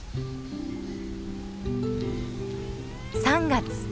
３月。